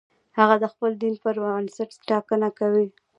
هغه د خپل دین پر بنسټ ټاکنه کوي.